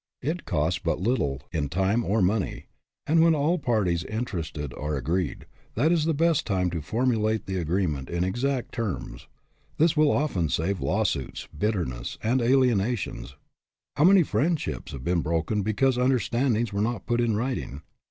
It costs but lit tle, in time or money, and when all parties interested are agreed, that is the best time to formulate the agreement in exact terms. This will often save lawsuits, bitterness, and aliena tions. How many friendships have been broken because understandings were not put in writing!